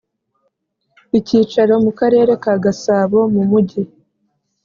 icyicaro mu karere ka Gasabo mu Mujyi